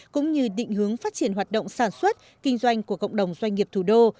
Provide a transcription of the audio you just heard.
cũng như định hướng phát triển hoạt động sản xuất kinh doanh của cộng đồng doanh nghiệp thủ đô